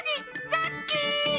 ラッキー！